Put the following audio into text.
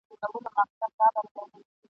د بې پته مرګ په خوله کي به یې شپه وي ..